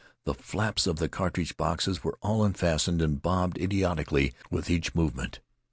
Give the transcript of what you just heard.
The flaps of the cartridge boxes were all unfastened, and bobbed idiotically with each movement.